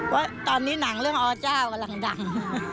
ว่าตอนนี้หนังเรื่องอเจ้ากำลังดัง